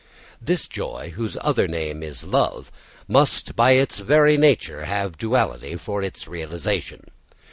This joy, whose other name is love, must by its very nature have duality for its realisation.